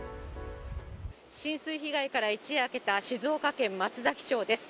浸水被害から一夜明けた静岡県松崎町です。